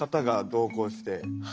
同行して。